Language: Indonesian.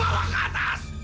bawa ke atas